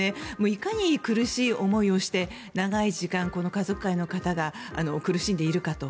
いかに苦しい思いをして長い時間、家族会の方が苦しんでいるかと。